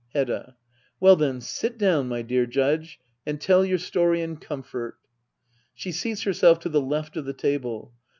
Hedda. Well then, sit down, my dear Judge, and tell your story in comfort. {She seats herself to the left of the table.